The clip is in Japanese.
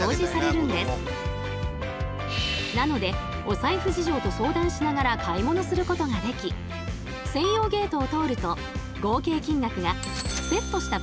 なのでお財布事情と相談しながら買い物することができ専用ゲートを通るとそのまま出ていっちゃっていいんだ。